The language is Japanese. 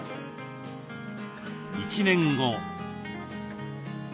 １年後。